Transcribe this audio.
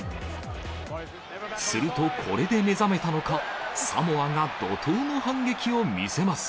するとこれで目覚めたのか、サモアが怒とうの反撃を見せます。